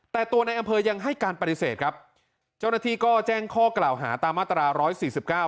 แต่ตัวในอำเภอยังให้การปฏิเสธครับเจ้าหน้าที่ก็แจ้งข้อกล่าวหาตามมาตราร้อยสี่สิบเก้า